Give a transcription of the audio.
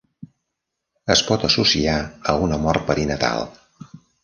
Es pot associar a una mort perinatal.